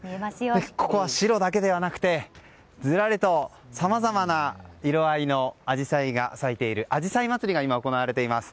ここは白だけではなくてずらりと、さまざまな色合いのアジサイが咲いているあじさい祭りが行われています。